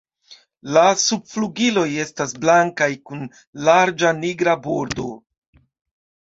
La subflugiloj estas blankaj kun larĝa nigra bordo.